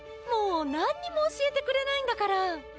もう何にも教えてくれないんだから。